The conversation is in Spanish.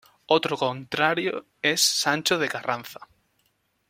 Otro contrario es Sancho de Carranza.